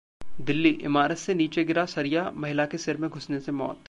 दिल्ली: इमारत से नीचे गिरा सरिया, महिला के सिर में घुसने से मौत